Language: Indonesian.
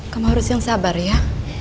kamu harus yang sabar ya